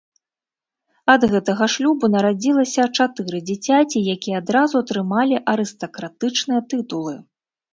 Ад гэтага шлюбу нарадзілася чатыры дзіцяці, якія адразу атрымалі арыстакратычныя тытулы.